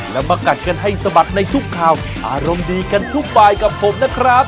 แล้วมากัดกันให้สะบัดในทุกข่าวอารมณ์ดีกันทุกบายกับผมนะครับ